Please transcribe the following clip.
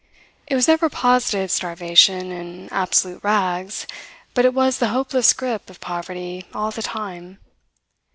It was never positive starvation and absolute rags, but it was the hopeless grip of poverty all the time.